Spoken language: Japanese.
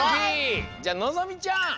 じゃあのぞみちゃん！